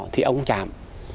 thì ông chạm